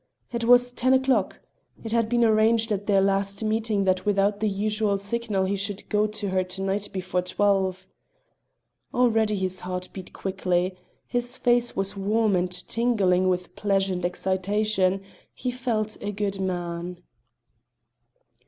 It was ten o'clock. It had been arranged at their last meeting that without the usual signal he should go to her to night before twelve. Already his heart beat quickly; his face was warm and tingling with pleasant excitation, he felt a good man.